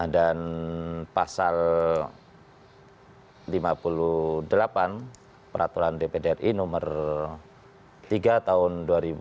dan pasal lima puluh delapan peraturan dpd ri nomor tiga tahun dua ribu tujuh belas